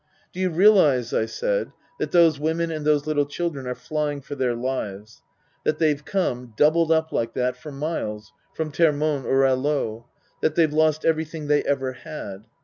" Do you realize," I said, " that those women and those little children are flying for their lives ? That they've come, doubled up like that, for miles from Termonde or Alost ? That they've lost everything they ever had